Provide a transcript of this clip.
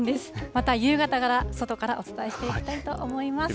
また夕方から、外からお伝えしていきますと思います。